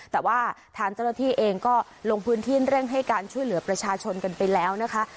แต่ว่าทางเจ้าหน้าที่เองก็ลงพื้นที่เร่งให้การช่วยเหลือประชาชนกันไปแล้วนะคะ